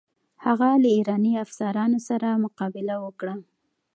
هغه له ایراني افسرانو سره مقابله وکړه.